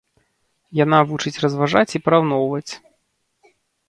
Яна вучыць разважаць і параўноўваць.